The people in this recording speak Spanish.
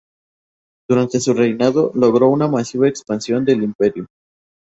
Durante su reinado logró una masiva expansión del imperio.